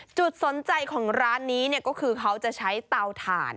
จุดสนใจของร้านนี้ก็คือเขาจะใช้เตาถ่าน